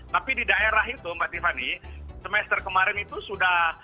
tapi di daerah itu mbak tiffany semester kemarin itu sudah